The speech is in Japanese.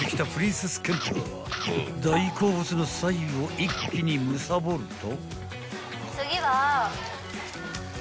［大好物のサイを一気にむさぼると］